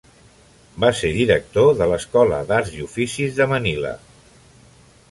Va ser director de l'Escola d'Arts i Oficis de Manila.